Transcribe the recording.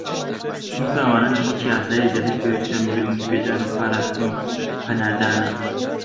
چونکە ئەوانە لە خەڵکی ئاسایی زیاتر پێویستیان بە گرنگیپێدان و پاراستن و پەنادانە